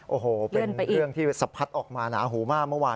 โอ้โหเป็นเรื่องที่สะพัดออกมาหนาหูมากเมื่อวาน